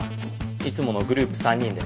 いつものグループ３人で。